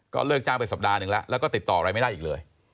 เลิกจ้างไปสัปดาห์หนึ่งแล้วแล้วก็ติดต่ออะไรไม่ได้อีกเลย